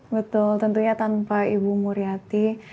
betul tentunya tanpa ibu muriati